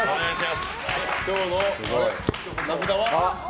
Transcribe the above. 今日の名札は？